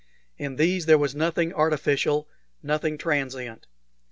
In these there was nothing artificial, nothing transient.